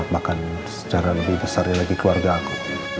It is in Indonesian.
bahkan secara lebih besar lagi keluarga aku